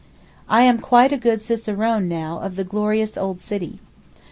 I am quite a good cicerone now of the glorious old city.